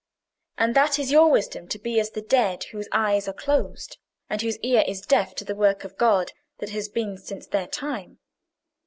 And that is your wisdom! To be as the dead whose eyes are closed, and whose ear is deaf to the work of God that has been since their time.